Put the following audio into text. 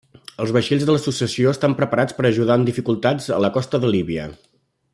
Els vaixells de l'associació estan preparats per ajudar en dificultats a la costa de Líbia.